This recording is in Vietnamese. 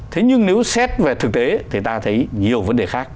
thế nhưng nếu xét về thực tế thì ta thấy nhiều vấn đề khác